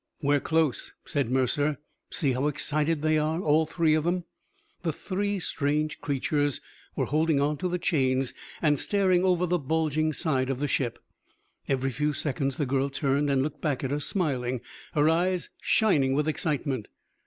"We're close," said Mercer. "See how excited they are, all three of them." The three strange creatures were holding onto the chains and staring over the bulging side of the ship. Every few seconds the girl turned and looked back at us, smiling, her eyes shining with excitement.